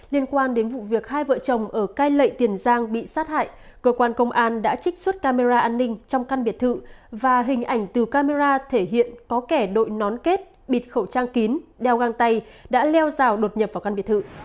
liên quan đến vụ việc hai vợ chồng ở cai lệ tiền giang bị sát hại cơ quan công an đã trích xuất camera an ninh trong căn biệt thự và hình ảnh từ camera thể hiện có kẻ đội nón kết bịt khẩu trang kín đeo găng tay đã leo rào đột nhập vào căn biệt thự